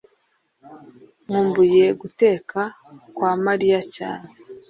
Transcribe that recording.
nkumbuye guteka kwa mariya cyane